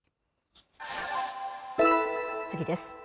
次です。